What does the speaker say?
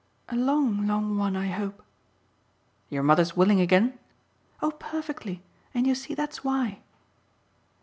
"A long long one, I hope." "Your mother's willing again?" "Oh perfectly. And you see that's why."